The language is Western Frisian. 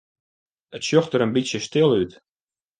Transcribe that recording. It sjocht der in bytsje stil út.